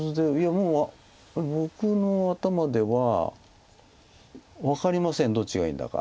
もう僕の頭では分かりませんどっちがいいんだか。